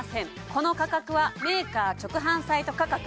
この価格はメーカー直販サイト価格です